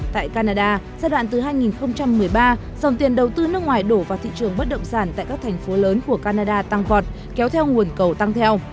tại canada giai đoạn từ hai nghìn một mươi ba dòng tiền đầu tư nước ngoài đổ vào thị trường bất động sản tại các thành phố lớn của canada tăng vọt kéo theo nguồn cầu tăng theo